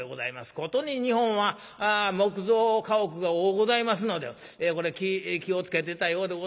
ことに日本は木造家屋が多うございますのでこれ気を付けてたようでございますな。